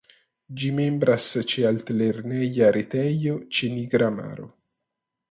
Ĝi membras ĉe altlerneja retejo ĉe Nigra maro.